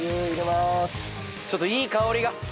ちょっといい香りが。